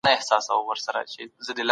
هغه خلګ چي مطالعه نه کوي تل په غفلت کي وي.